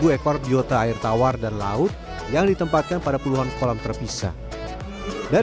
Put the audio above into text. dua puluh ekor biota air tawar dan laut yang ditempatkan pada puluhan kolam terpisah dan